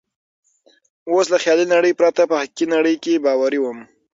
اوس له خیالي نړۍ پرته په حقیقي نړۍ کې باوري وم.